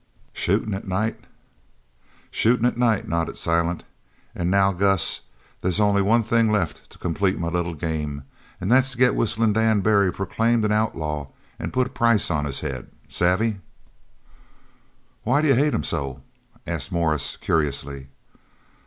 "Shootin' at night?" "Shootin' at night," nodded Silent. "An" now, Gus, they's only one thing left to complete my little game an' that's to get Whistlin' Dan Barry proclaimed an outlaw an' put a price on his head, savvy?" "Why d'you hate him so?" asked Morris curiously.